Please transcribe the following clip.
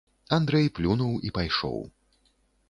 Андрэй плюнуў і пайшоў.